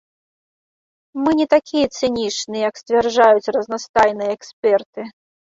Мы не такія цынічныя, як сцвярджаюць разнастайныя эксперты.